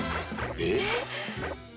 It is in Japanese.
えっ！